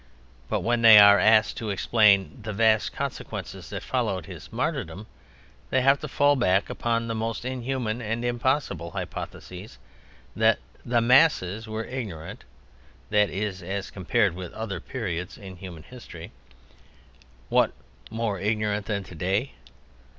But when they are asked to explain the vast consequences that followed his martyrdom, they have to fall back upon the most inhuman and impossible hypotheses; that "the masses were ignorant"—that is as compared with other periods in human history (what, more ignorant than today?)